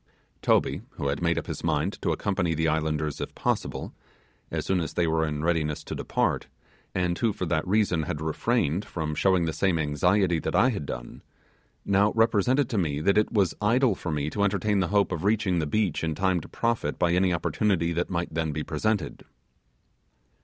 Toby, who had made up his mind to accompany the islanders if possible, as soon as they were in readiness to depart, and who for that reason had refrained from showing the same anxiety that I had done, now represented to me that it was idle for me to entertain the hope of reaching the beach in time to profit by any opportunity that might then be presented.